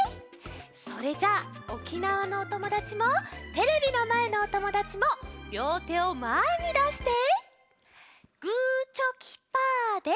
それじゃあ沖縄のおともだちもテレビのまえのおともだちもりょうてをまえにだして「グーチョキパーで」。